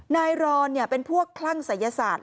รอนเป็นพวกคลั่งศัยศาสตร์